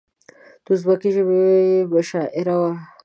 د ازبکي ژبې مشاعره وه.